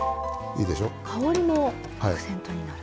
香りもアクセントになる。